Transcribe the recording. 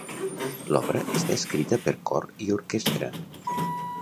L'obra està escrita per cor i orquestra.